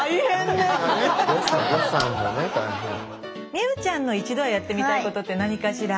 美羽ちゃんの一度はやってみたいことって何かしら？